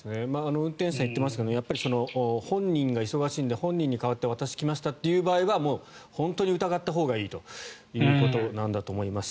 運転手さんが言っていますけど本人が忙しいので本人に代わって私が来ましたという場合は本当に疑ったほうがいいということだと思います。